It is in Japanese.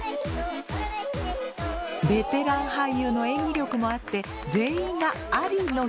ベテラン俳優の演技力もあって全員がアリの評価に。